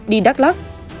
đi đắk lắk